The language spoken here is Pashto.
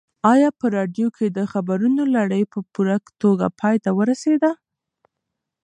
ایا په راډیو کې د خبرونو لړۍ په پوره توګه پای ته ورسېده؟